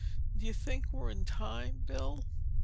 "D'you think we're in time, Bill?"